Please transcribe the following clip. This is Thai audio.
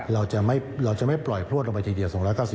เราจะไม่ปล่อยพลวดลงไปทีเดียว๒๙๐